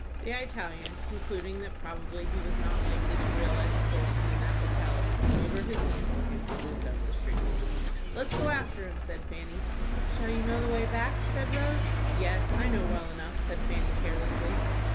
The Italian, concluding probably that he was not likely to realize a fortune in that locality, shouldered his hand organ, and moved up the street. "Let's go after him," said Fanny. "Shall you know the way back?" said Rose. "Yes, I know well enough," said Fanny, carelessly.